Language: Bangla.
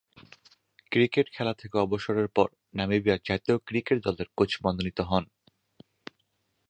ক্রিকেট খেলা থেকে অবসরের পর নামিবিয়ার জাতীয় ক্রিকেট দলের কোচ মনোনীত হন।